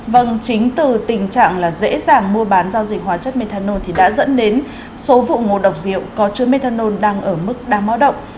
vâng chính từ tình trạng là dễ dàng mua bán giao dịch hóa chất methanol thì đã dẫn đến số vụ ngộ độc rượu có chứa methanol đang ở mức đáng báo động